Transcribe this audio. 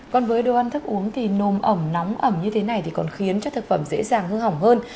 còn với đồ ăn thức uống thì nồm ẩm nóng ẩm như thế này thì còn khiến cho thực phẩm dễ dàng hư hỏng hơn